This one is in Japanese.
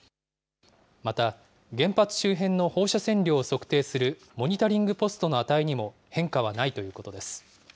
また、原発周辺の放射線量を測定するモニタリングポストの値にも変化はないということです。